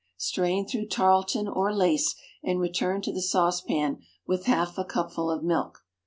Strain through tarlatan or lace, and return to the saucepan with half a cupful of milk.